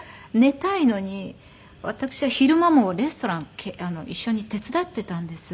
私は昼間もレストラン一緒に手伝っていたんです。